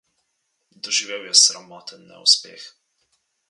Doživel je sramoten neuspeh.